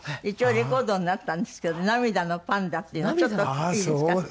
一応レコードになったんですけど『涙のパンダ』っていうのちょっといいですか？